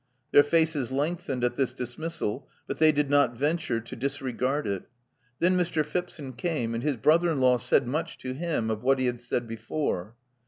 Their faces lengthened at this dismissal; but they did not venture to dis regard it. Then Mr. Phipson came ; and his brother in law said much to him of what he had said before.